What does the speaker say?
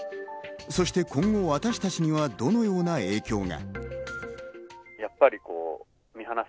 そして今後私達にはどのような影響が。